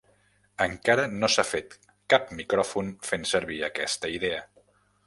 Encara no s'ha fet cap micròfon fent servir aquesta idea.